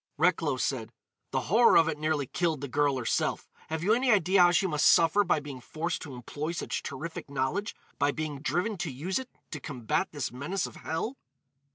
Recklow said: "The horror of it nearly killed the girl herself. Have you any idea how she must suffer by being forced to employ such terrific knowledge? by being driven to use it to combat this menace of hell?